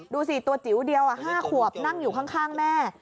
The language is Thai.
ดูสิตัวจิ๋วเดียว๕ขวบนั่งอยู่ข้างแม่